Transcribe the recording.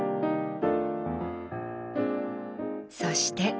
そして。